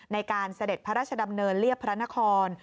เสด็จพระราชดำเนินเรียบพระนคร